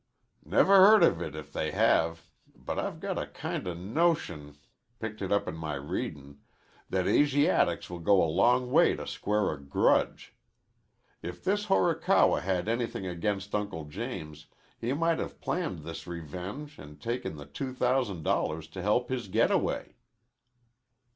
"Never heard of it if they have, but I've got a kinda notion picked it up in my readin' that Asiatics will go a long way to square a grudge. If this Horikawa had anything against Uncle James he might have planned this revenge an' taken the two thousand dollars to help his getaway."